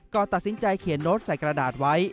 ตัดสินใจเขียนโน้ตใส่กระดาษไว้